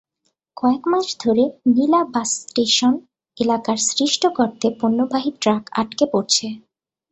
কয়েক মাস ধরে হ্নীলা বাসস্টেশন এলাকার সৃষ্ট গর্তে পণ্যবাহী ট্রাক আটকে পড়ছে।